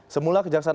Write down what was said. semula ke jaksan agung